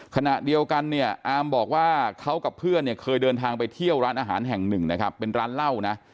ขณะเดียวกันเนี่ยอามบอกว่าเขากับเพื่อนเนี่ยเคยเดินทางไปเที่ยวร้านอาหารแห่งหนึ่งนะครับเป็นร้านเหล้านะ